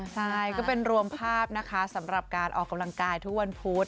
ใช่ก็เป็นรวมภาพนะคะสำหรับการออกกำลังกายทุกวันพุธ